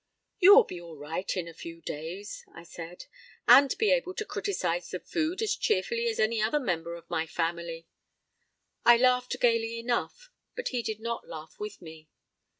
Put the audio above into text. "You will be all right in a few days," I said, "and be able to criticise the food as cheerfully as any other member of my Family." I laughed gayly enough, but he did not laugh with me.